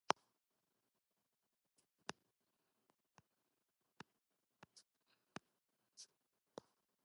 The program was incrementally delayed several more times.